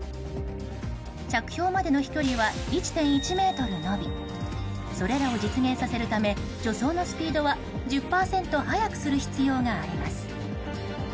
着氷までの飛距離は１．１ｍ伸びそれらを実現させるため助走のスピードは１０％速くする必要があります。